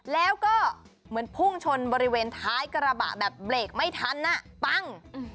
แล้วก็เหมือนพุ่งชนบริเวณท้ายกระบะแบบเบรกไม่ทันปั้ง